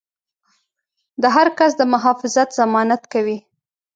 د هر کس د محافظت ضمانت کوي.